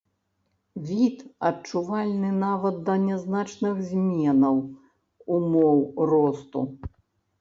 Від, адчувальны нават да нязначных зменаў умоў росту.